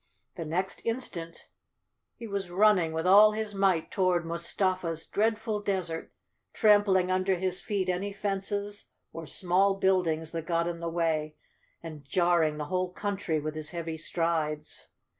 The next instant he was running with all his might toward Mustafa's dreadful desert, trampling un¬ der his feet any fences or small buildings that got in the way, and jarring the whole country with his heavy strides.